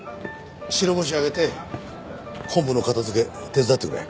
白星挙げて本部の片付け手伝ってくれ。